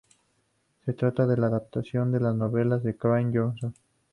Se trata de la adaptación de las novelas de Craig Johnson.